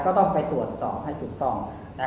ก็ต้องไปตรวจสอบให้ถูกต้อง